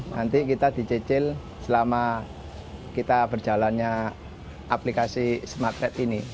nanti kita dicecil selama kita berjalannya aplikasi smartride ini